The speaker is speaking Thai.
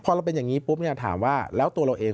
พอเราเป็นอย่างนี้ปุ๊บเนี่ยถามว่าแล้วตัวเราเอง